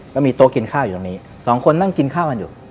ก็มีโต๊ะกินข้าวอยู่ตรงนี้สองคนนั่งกินข้าวกันอยู่